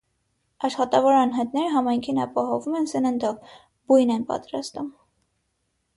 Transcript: Աշխատավոր անհատները համայնքին ապահովում են սննդով, բույն են պատրաստում։